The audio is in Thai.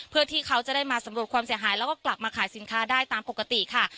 เพื่อที่เขาจะได้มาสำรวจความเสียหายแล้วก็กลับมาขายสินค้าได้ตามปกติค่ะ